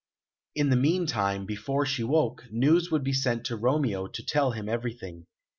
In the meantime, before she awoke, news would be sent to Romeo to tell him everything.